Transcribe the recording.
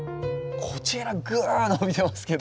こちらグーッ伸びてますけど。